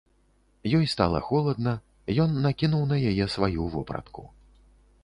Ёй стала холадна, ён накінуў на яе сваю вопратку.